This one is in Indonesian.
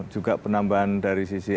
juga penambahan dari sisi